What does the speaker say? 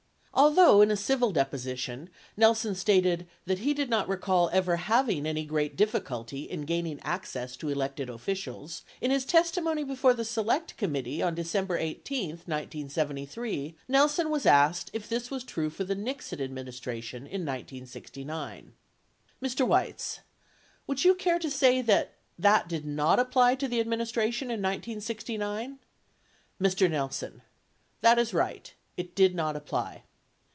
Although, in a civil deposition, Nelson stated that he did not, recall ever having any great difficulty in gaining access to elected officials, 27 in his testimony before the Select Committee on December 18, 19i3, Nelson was asked if this was true for the Nixon administration in 1969 : Mr. Weitz. Would you care to say that that did not apply to the administration in 1969 ? Mr. Nelson. That is right. It did. not apply.